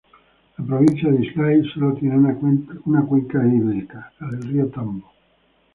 La provincia de Islay solo tiene una cuenca hídrica: la del río Tambo.